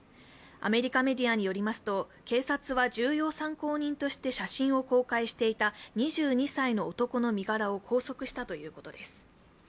アメリカメディアによりますと警察は重要参考人として写真を公開していた２２歳の男の身柄を拘束したということです。